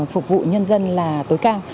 phục vụ nhân dân là tối cao